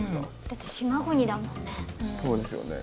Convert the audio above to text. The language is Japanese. だって島国だもんね。